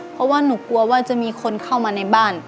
เพราะว่าหนูกลัวว่าจะมีคนเข้ามาในบ้าน